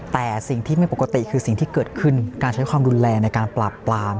แต่สิ่งที่ไม่ปกติคือสิ่งที่เกิดขึ้นการใช้ความรุนแรงในการปราบปราม